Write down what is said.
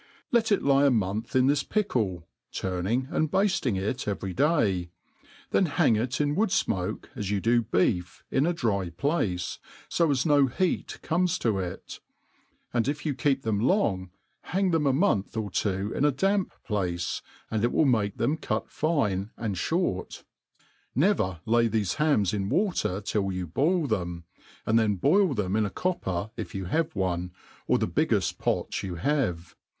Let it lie a month in this pickle, turning and bafting it every day, then hang it in wooa fmoke as you do beef, in a dry place, fo as no heat comes to it ; and if you keep them long, hang them a month or two in a damp place, and It will make them cut fine and fliort. Never lay thefe hams in water till you boil them, and then boil them in a copper, if you. have one, . or the biggeft pot you have.